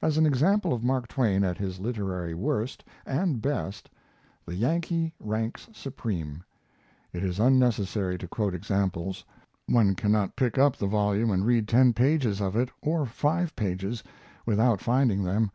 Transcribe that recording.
As an example of Mark Twain at his literary worst and best the Yankee ranks supreme. It is unnecessary to quote examples; one cannot pick up the volume and read ten pages of it, or five pages, without finding them.